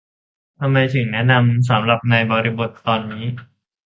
ทำไมถึงแนะนำสำหรับในบริบทตอนนี้